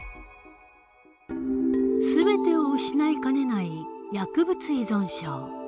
全てを失いかねない薬物依存症。